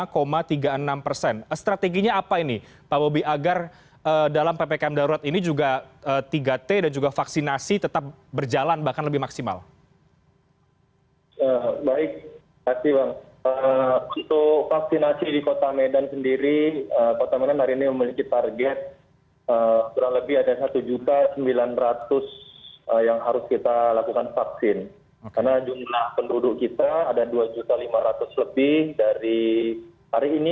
karena jumlah penduduk kita ada dua lima ratus lebih dari hari ini